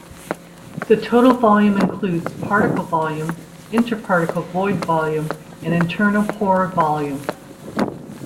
The total volume includes particle volume, inter-particle void volume, and internal pore volume.